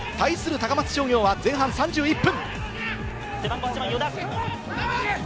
高松商業は前半３１分。